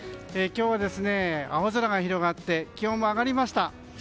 今日は青空が広がって気温も上がりました。